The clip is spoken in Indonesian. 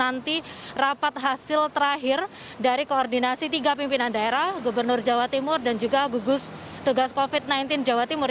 nanti rapat hasil terakhir dari koordinasi tiga pimpinan daerah gubernur jawa timur dan juga gugus tugas covid sembilan belas jawa timur